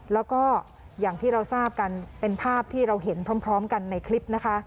แล้วก็อย่างที่เราทราบกันเป็นภาพที่เราเห็นพร้อมกันในคลิปนะคะ